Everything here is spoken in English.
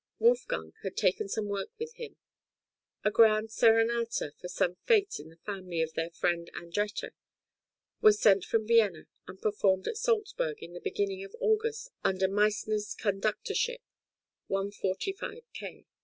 Wolfgang had taken some work with him. A grand serenata for some fête in the family of their friend Andretter was sent from Vienna and performed at Salzburg in the beginning of August under Meissner's conductorship (145 K.).